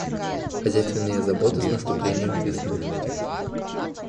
Хозяйственные заботы с наступлением весны.